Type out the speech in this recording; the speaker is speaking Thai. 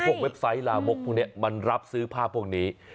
เว็บไซต์ลามกพวกนี้มันรับซื้อภาพพวกนี้